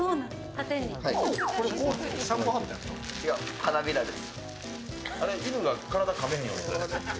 花びらです。